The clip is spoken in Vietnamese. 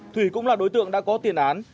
thủy cũng là đối tượng đã có tiền án